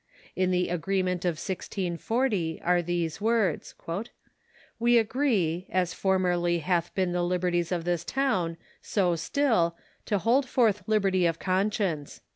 In the agreement of 1640 are these Avords: "We agree, as formerly hath been the liberties of this town, so still, to hold forth liberty of conscience."